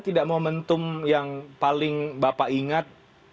tidak momentum yang paling bapak ingat